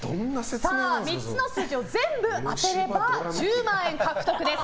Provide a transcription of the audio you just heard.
３つの数字を全部当たれば１０万円獲得です。